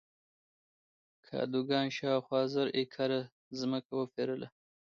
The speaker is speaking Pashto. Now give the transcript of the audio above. کادوګان شاوخوا زر ایکره ځمکه وپېرله.